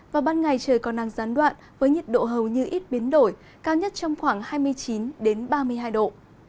vào ban ngày trời còn nắng gián đoạn với nhiệt độ hầu như ít biến đổi cao nhất trong khoảng hai mươi chín ba mươi hai độ